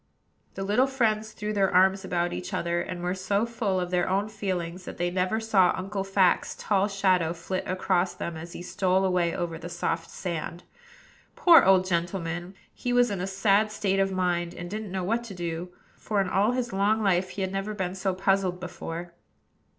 The little friends threw their arms about each other, and were so full of their own feelings that they never saw Uncle Fact's tall shadow flit across them, as he stole away over the soft sand. Poor old gentleman! he was in a sad state of mind, and didn't know what to do; for in all his long life he had never been so puzzled before.